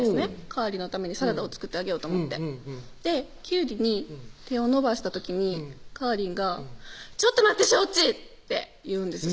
かーりんのためにサラダを作ってあげようと思ってキュウリに手を伸ばした時にかーりんが「ちょっと待ってしほっち！」って言うんです